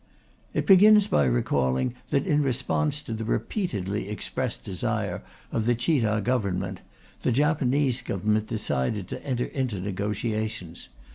It begins by recalling that in response to the repeatedly expressed desire of the Chita Government, the Japanese Government decided to enter into negotiations.